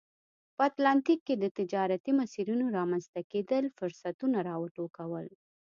په اتلانتیک کې د تجارتي مسیرونو رامنځته کېدل فرصتونه را وټوکول.